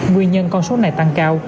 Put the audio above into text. nguyên nhân con số này tăng cao